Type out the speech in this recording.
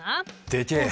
でけえ！